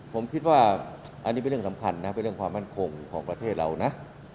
ผมคิดว่าอันนี้เป็นเรื่องสำคัญนะเป็นเรื่องความมั่นคงของประเทศเรานะ